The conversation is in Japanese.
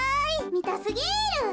みたすぎる。